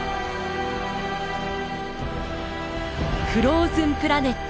「フローズンプラネット」。